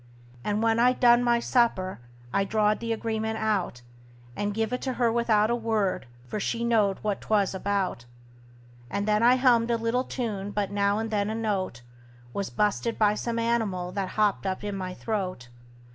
And when I'd done my supper I drawed the agreement out, And give it to her without a word, for she knowed what 'twas about; And then I hummed a little tune, but now and then a note Was bu'sted by some animal that hopped up in my throat.